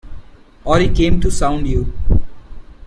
Or he came to sound you.